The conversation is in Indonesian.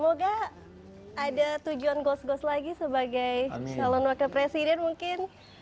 bang sandi jadi menteri dan semoga ada tujuan gos gos lagi sebagai shalon wakil presiden mungkin